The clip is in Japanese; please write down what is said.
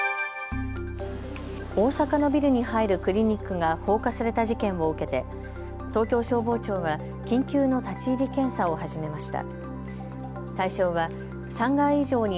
大阪のビルに入るクリニックが放火された事件を受けて東京消防庁は緊急の立ち入り検査を始めました。